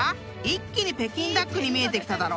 一気に北京ダックに見えてきただろ？］